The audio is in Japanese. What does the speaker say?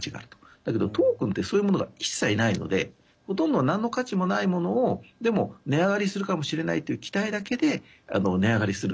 だけど、トークンってそういうものが一切ないのでほとんどなんの価値もないものをでも値上がりするかもしれないという期待だけで値上がりする。